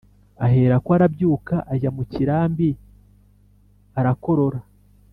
Aherako arabyuka, ajya mu kirambi. Arakorora.